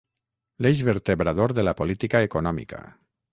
L'eix vertebrador de la política econòmica.